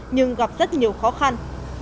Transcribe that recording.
nhưng gặp rất nhiều khó khăn